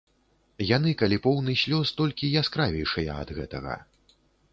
Яны, калі поўны слёз, толькі яскравейшыя ад гэтага.